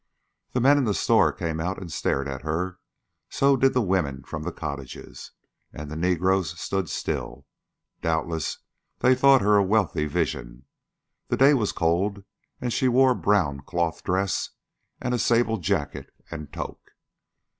The men in the store came out and stared at her; so did the women from the cottages. And the negroes stood still. Doubtless they thought her a wealthy vision; the day was cold, and she wore a brown cloth dress and a sable jacket and toque.